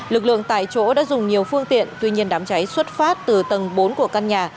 lực lượng tại chỗ đã dùng nhiều phương tiện tuy nhiên đám cháy xuất phát từ tầng bốn của căn nhà